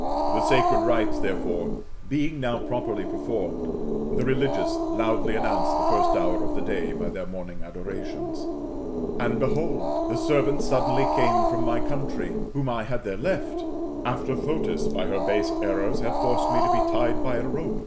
The sacred rites, tho^efore, being now properly performed, the religious loudly announced the first hour of the day by their morning adorations. And, behold ! the servants suddenly came from my country whom I had there left, after Fotis, by her base errors, had forced me to be tied by a rope [